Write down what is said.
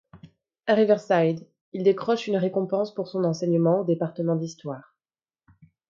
À Riverside, il décroche une récompense pour son enseignement au département d'histoire.